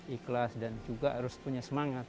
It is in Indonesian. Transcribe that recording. ikhlas dan juga harus punya semangat